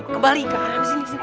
kembali ke arah sini